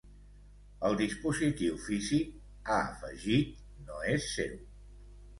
El dispositiu físic, ha afegit, no és seu.